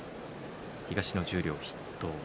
東の十両筆頭。